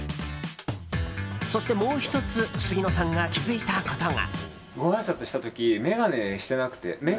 そして、もう１つ杉野さんが気付いたことが。